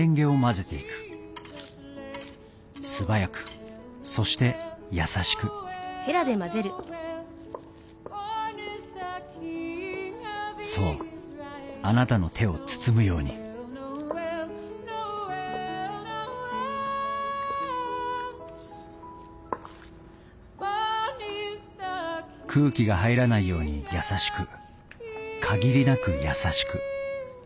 素早くそして優しくそうあなたの手を包むように空気が入らないように優しく限りなく優しく。